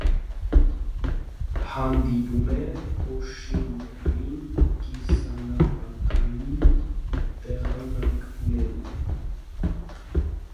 Հանդիպում է օշինդրային կիսաանապատային տեղանքներում։